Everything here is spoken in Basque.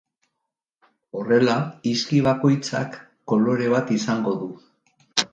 Horrela hizki bakoitzak kolore bat izango du.